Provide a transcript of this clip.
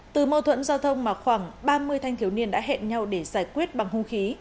từ mâu thuẫn giao thông mà khoảng ba mươi thanh thiếu niên đã hẹn nhau để giải quyết bằng hung khí